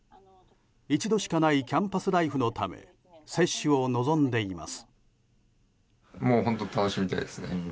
一度しかないキャンパスライフのため接種を望んでいます。